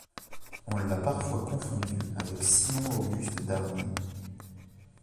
On l'a parfois confondu avec Simon-Auguste d'Arnay.